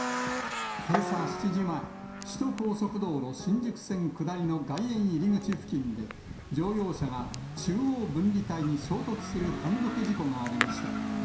けさ７時前、首都高速道路新宿線下りの外苑入口付近で、乗用車が中央分離帯に衝突する単独事故がありました。